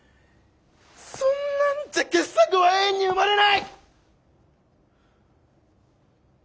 そんなんじゃ傑作は永遠に生まれない！